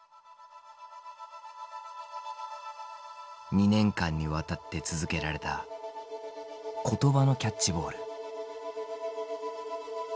２年間にわたって続けられた言葉のキャッチボール。